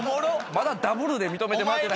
まだダブルで認めてもらってない。